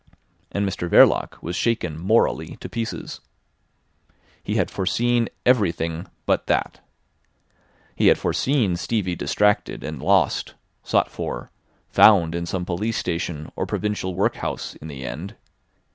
And Mr Verloc was shaken morally to pieces. He had foreseen everything but that. He had foreseen Stevie distracted and lost—sought for—found in some police station or provincial workhouse in the end.